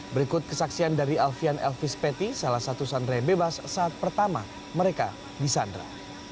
berikut kesaksian dari alfian elvis peti salah satu sandra yang bebas saat pertama mereka disandra